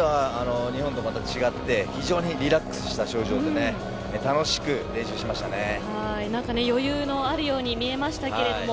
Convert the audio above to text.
スペインは日本とまた違って非常にリラックスした表情で余裕のあるように見えましたけれども。